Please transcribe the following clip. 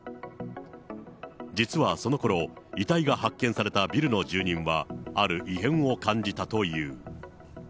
実はそのころ、遺体が発見されたビルの住人は、ある異変を感じたという。